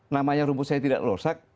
namanya rumput saya tidak rusak